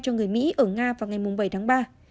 cho người mỹ ở nga vào ngày bảy tháng ba